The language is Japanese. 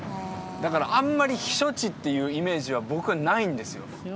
だからあんまり避暑地っていうイメージは僕はないんですよ